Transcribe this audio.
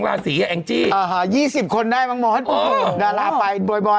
ราศีอ่ะเอ็งจี้อ่าฮะยี่สิบคนได้บางม้วนดาราไปบ่อยบ่อย